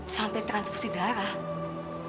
sampai transfusi darah